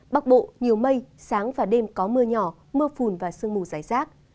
bắc bộ nhiều mây sáng và đêm có mưa nhỏ mưa phùn và sương mù dài rác